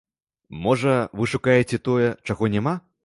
Можа, вы шукаеце тое, чаго няма?